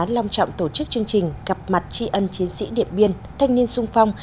long trọng tổ chức chương trình gặp mặt tri ân chiến sĩ điện biên thanh niên sung phong